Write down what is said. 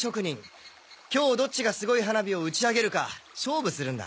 今日どっちがすごい花火を打ち上げるか勝負するんだ。